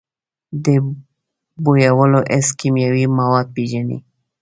د بویولو حس کیمیاوي مواد پېژني.